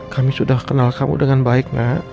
kami sudah kenal kamu dengan baik nak